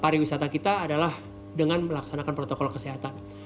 pariwisata kita adalah dengan melaksanakan protokol kesehatan